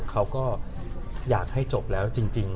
เขาก็อยากให้จบแล้วจริง